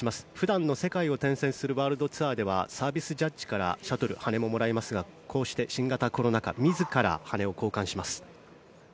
普段の世界を転戦するワールドツアーではサービスジャッジからシャトルをもらいますがこうして新型コロナ禍自ら羽根を交換します。